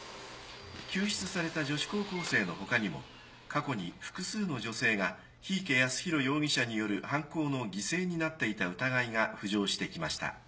救出された女子高校生の他にも過去に複数の女性が檜池泰弘容疑者による犯行の犠牲になっていた疑いが浮上してきました。